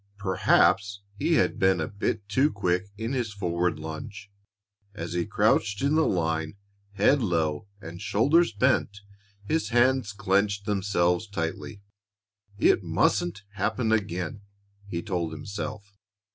Perhaps he had been a bit too quick in his forward lunge. As he crouched in the line, head low and shoulders bent, his hands clenched themselves tightly. It mustn't happen again, he told himself.